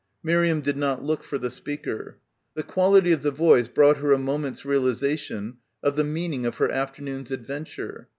Miriam did not look for the speaker. The quality of the voice brought her a moment's realisation of the meaning of her afternoon's ad venture.